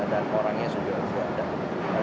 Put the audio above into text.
dan orangnya sudah ada